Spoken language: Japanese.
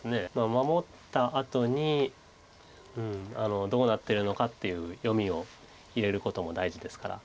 守ったあとにどうなってるのかっていう読みを入れることも大事ですから。